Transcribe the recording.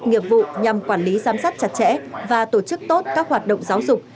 nghiệp vụ nhằm quản lý giám sát chặt chẽ và tổ chức tốt các hoạt động giáo dục